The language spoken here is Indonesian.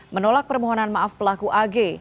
menolak permohonan maaf pelaku ag